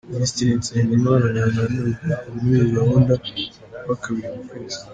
Minisitiri Nsengimana aganira n’urubyiruko muri iyi gahunda iba kabiri mu kwezi.